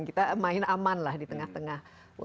kita main aman lah di tengah tengah